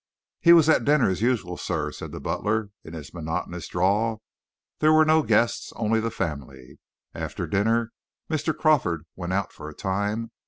"He was at dinner, as usual, sir," said the butler, in his monotonous drawl. "There were no guests, only the family. After dinner Mr. Crawford went out for a time.